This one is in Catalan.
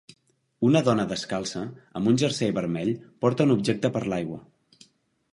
Una dona descalça amb un jersei vermell porta un objecte per l'aigua.